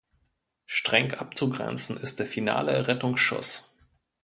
Streng abzugrenzen ist der finale Rettungsschuss.